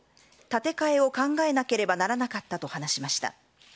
建て替えを考えなければならなかったと話しました。